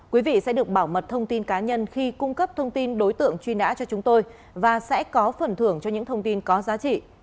quý vị sẽ được bảo mật thông tin cá nhân khi cung cấp thông tin đối tượng truy nã cho chúng tôi và sẽ có phần thưởng cho những thông tin có giá trị